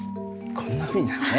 こんなふうになるね。